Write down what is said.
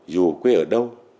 dù quê ở đâu